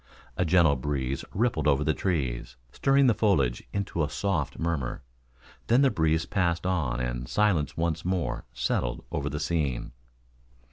A gentle breeze rippled over the trees, stirring the foliage into a soft murmur. Then the breeze passed on and silence once more settled over the scene.